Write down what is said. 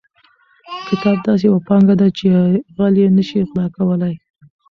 کتاب داسې یوه پانګه ده چې غل یې نشي غلا کولی.